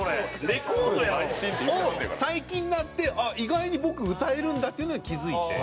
レコードやろ！を最近になってあっ意外に僕歌えるんだっていうのに気付いて。